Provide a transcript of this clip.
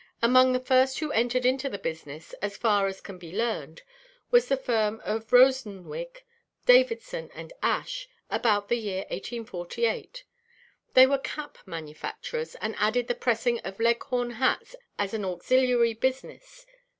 Among the first who entered into the business, as far as can be learned, was the firm of Rosenswig, Davidson & Ash, about the year 1848; they were cap manufacturers, and added the pressing of Leghorn hats as an auxiliary business.